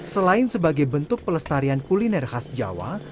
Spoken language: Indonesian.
selain sebagai bentuk pelestarian kuliner khas jawa